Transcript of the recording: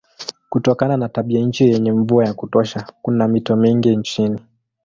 Kutokana na tabianchi yenye mvua ya kutosha kuna mito mingi nchini.